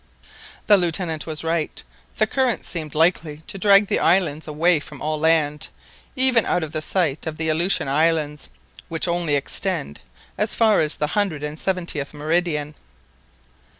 The Lieutenant was right, the current seemed likely to drag the island away from all land, even out of sight of the Aleutian Islands, which only extend as far as the hundred and seventieth meridian.